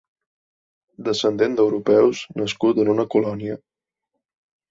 Descendent d'europeus nascut en una colònia.